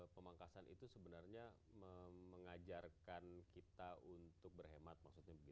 pemangkasan itu sebenarnya mengajarkan kita untuk berhemat maksudnya